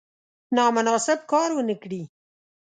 نامناسب کار ونه کړي.